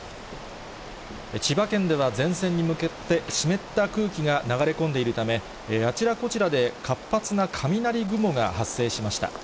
千葉県では前線に向かって湿った空気が流れ込んでいるため、あちらこちらで活発な雷雲が発生しました。